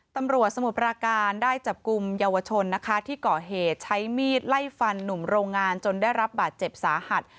สมุทรปราการได้จับกลุ่มเยาวชนนะคะที่ก่อเหตุใช้มีดไล่ฟันหนุ่มโรงงานจนได้รับบาดเจ็บสาหัส